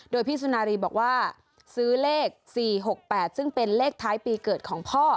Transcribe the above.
โดยพี่สุนารีบอกว่าซื้อเลข๔๖๘ซึ่งเป็นเลขท้ายปีเกิดของพ่อ